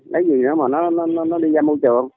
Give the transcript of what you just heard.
nếu gì nữa mà nó đi ra môi trường